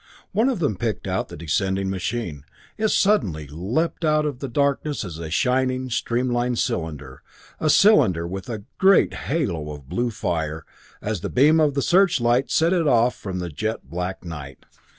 One of them picked out the descending machine, and it suddenly leaped out of the darkness as a shining, streamlined cylinder, a cylinder with a great halo of blue fire, as the beam of the searchlight set it off from the jet black night.